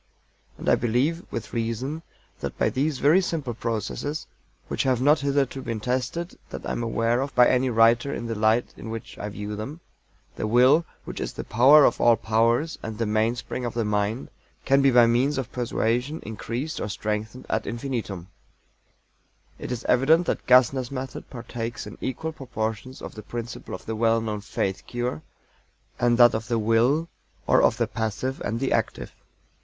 And I believe, with reason, that by these very simple processes (which have not hitherto been tested that I am aware of by any writer in the light in which I view them); the Will, which is the power of all powers and the mainspring of the mind, can be by means of persuasion increased or strengthened ad infinitum. It is evident that GASSNER'S method partakes in equal proportions of the principles of the well known "Faith Cure," and that of the Will, or of the passive and the active.